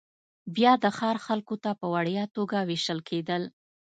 بیا د ښار خلکو ته په وړیا توګه وېشل کېدل